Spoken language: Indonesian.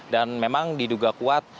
dan memang diduga kuat